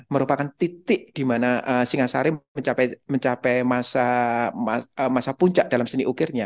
merupakan titik dimana singhasari mencapai masa puncak dalam seni ukirnya